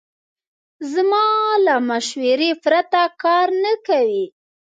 زما له مشورې پرته کار نه کوي.